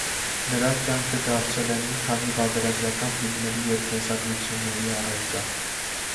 Նրա կյանքը դարձել է մի քանի վավերագրական ֆիլմերի և կենսագրությունների առարկա։